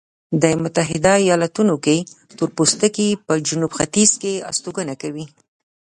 په متحده ایلاتونو کې تورپوستکي په جنوب ختیځ کې استوګنه کوي.